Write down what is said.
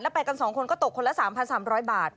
แล้วไปกันสองคนก็ตกคนละ๓๓๐๐บาท